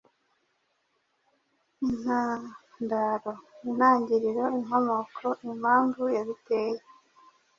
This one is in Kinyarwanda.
Intandaro: intangiriro, inkomoko, impamvu yabiteye.